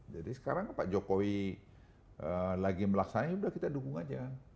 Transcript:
jadi sekarang pak jokowi lagi melaksanainya udah kita dukung aja